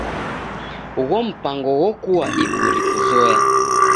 Ugho mpango ghokua iguri kuzoya.